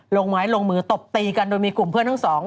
ลงไม้ลงมือตบตีกันโดยมีกลุ่มเพื่อนทั้งสอง